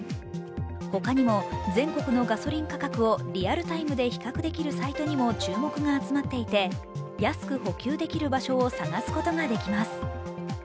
他にも、全国のガソリン価格をリアルタイムで比較できるサイトにも注目が集まっていて、安く補給できる場所を探すことができます。